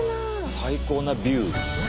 最高なビュー。